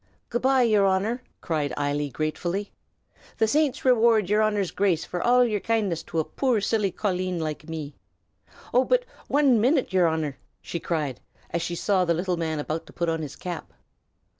"Good by, yer Honor," cried Eily, gratefully. "The saints reward yer Honor's Grace for all yer kindness to a poor silly colleen like me! But, oh, wan minute, yer Honor!" she cried, as she saw the little man about to put on his cap.